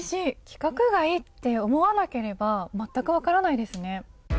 規格外と思わなければまったくわからないですね。